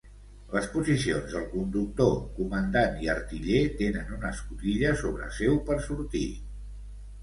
Les posicions del conductor, comandant i artiller tenen una escotilla sobre seu per sortir.